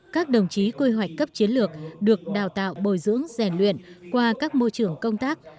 các đồng chí quy hoạch cấp chiến lược được đào tạo bồi dưỡng rèn luyện qua các môi trường công tác